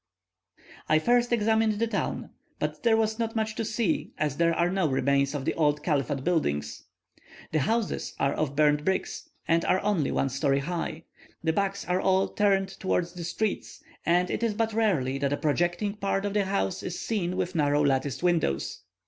I first examined the town, but there was not much to see, as there are no remains of the old Caliphate buildings. The houses are of burnt bricks, and are only one story high; the backs are all turned towards the streets, and it is but rarely that a projecting part of the house is seen with narrow latticed windows.